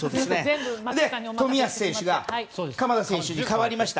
冨安選手が鎌田選手に代わりました。